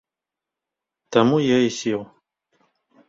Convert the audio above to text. Таму я і сеў.